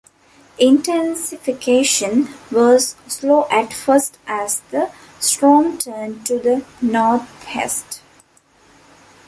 Intensification was slow at first as the storm turned to the northeast.